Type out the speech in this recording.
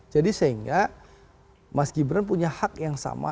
jadi sehingga mas gibran punya hak yang sama